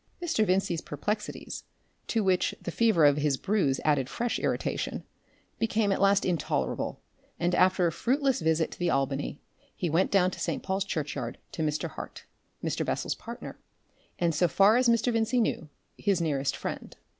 Mr. Vincey's perplexities, to which the fever of his bruise added fresh irritation, became at last intolerable, and, after a fruitless visit to the Albany, he went down to St. Paul's Churchyard to Mr. Hart, Mr. Bessel's partner, and, so far as Mr. Vincey knew, his nearest friend.